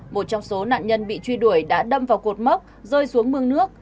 một trong số nạn nhân bị truy đuổi đã đâm vào cột mốc rơi xuống mương nước